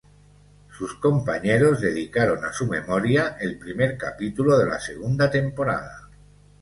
Sus compañeros dedicaron a su memoria el primer capítulo de la segunda temporada.